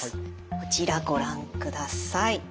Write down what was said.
こちらご覧ください。